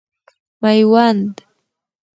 میوند